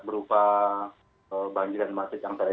berupa banjir dan macet